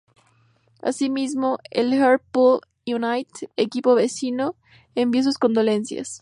Asimismo, el Hartlepool United, equipo vecino, envió sus condolencias.